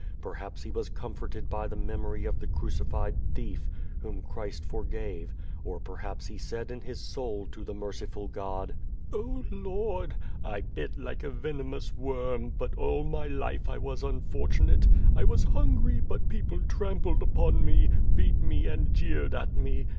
Perhaps he was comforted by the memory of the crucified thief vhom Christ forgave, or perhaps he said in his soul, to the merciful God: "Oh, Ijord! I bit like a venomous worm, but all njv life I was unfortunate; I was hungry, but people trampled u»on me, beat me, and jeered at me.